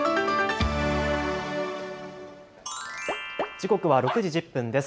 時刻は６時１０分です。